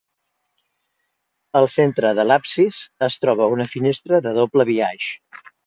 Al centre de l'absis es troba una finestra de doble biaix.